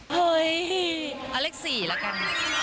เฮ้ยเอาเล็กซี่ละกัน